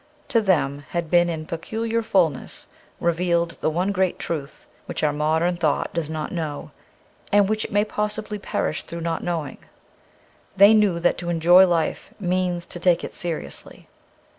To them had been in peculiar fullness revealed the one great truth which our modern thought does not know, and which it may possibly perish through not knowing. They knew that to enjoy life means to take it seriously.